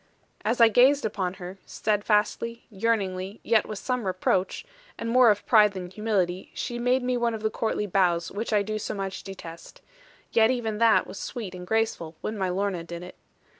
As I gazed upon her, steadfastly, yearningly, yet with some reproach, and more of pride than humility, she made me one of the courtly bows which I do so much detest; yet even that was sweet and graceful, when my Lorna did it.